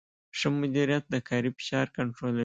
ښه مدیریت د کاري فشار کنټرولوي.